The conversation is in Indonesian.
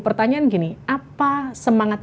pertanyaan gini apa semangat